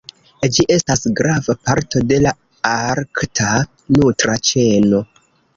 Ĝi estas grava parto de la arkta nutra ĉeno.